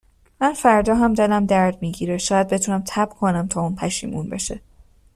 من فردا هم دلم درد میگیره شاید بتونم تب کنم تا اون پشیمون بشه